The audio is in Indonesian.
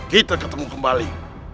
kita ketemu kembali